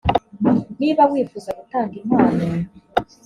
niba wifuza gutanga impano